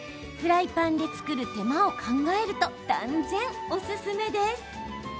フライパンで作る手間を考えると断然おすすめです。